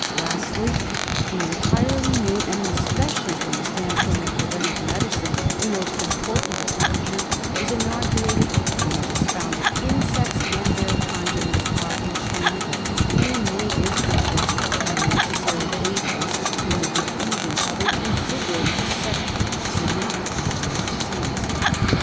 Lastly, an entirely new and, especially from the standpoint of preventive medi cine, a most important departure was inaugurated when it was found that insects and their congeners are instru mental, and in many instances are necessary agents, in the diffusion of a considerable section of human and animal disease.